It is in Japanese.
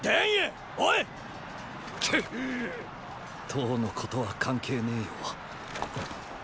到のことは関係ねェよ。